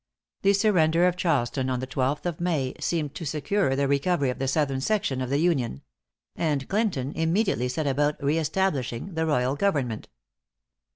The surrender of Charleston on the twelfth of May, seemed to secure the recovery of the southern section of the Union; and Clinton immediately set about re establishing the royal government.